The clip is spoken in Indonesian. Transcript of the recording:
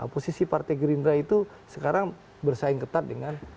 posisi partai gerindra itu sekarang bersaing ketat dengan